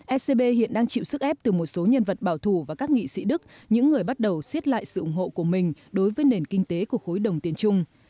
scb hiện đang chịu sức ép từ một số nhân vật bảo thủ và các nghị sĩ đức những người bắt đầu xiết lại sự ủng hộ của mình đối với nền kinh tế của khối đồng tiền chung